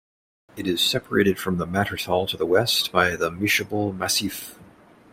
It is separated from the Mattertal to the west by the Mischabel massif.